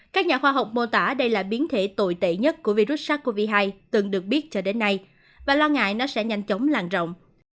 các nhà khoa học mô tả đây là biến thể tồi tệ nhất của virus sars cov hai từng được biết cho đến nay và lo ngại nó sẽ nhanh chóng lan rộng